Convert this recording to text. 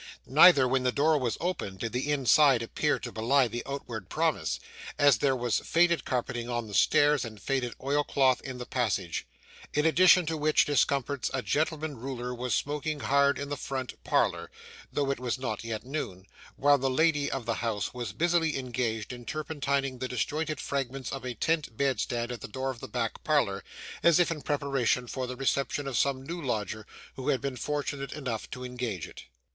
Neither, when the door was opened, did the inside appear to belie the outward promise, as there was faded carpeting on the stairs and faded oil cloth in the passage; in addition to which discomforts a gentleman Ruler was smoking hard in the front parlour (though it was not yet noon), while the lady of the house was busily engaged in turpentining the disjointed fragments of a tent bedstead at the door of the back parlour, as if in preparation for the reception of some new lodger who had been fortunate enough to engage it.